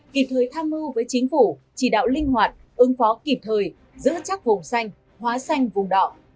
kịp thời tham mưu với chính phủ chỉ đạo linh hoạt ứng phó kịp thời giữ chắc vùng xanh hóa xanh vùng đỏ